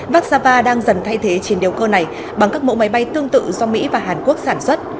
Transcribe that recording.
vassava đang dần thay thế chiến đấu cơ này bằng các mẫu máy bay tương tự do mỹ và hàn quốc sản xuất